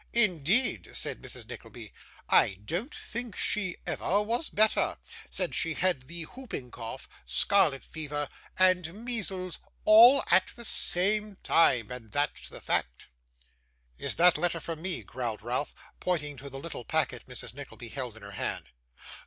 'Indeed,' said Mrs. Nickleby, 'I don't think she ever was better, since she had the hooping cough, scarlet fever, and measles, all at the same time, and that's the fact.' 'Is that letter for me?' growled Ralph, pointing to the little packet Mrs. Nickleby held in her hand.